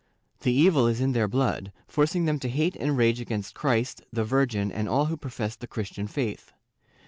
The evil is in their blood, forcing them to hate and rage against Christ, the Virgin and all who profess the Christian faith.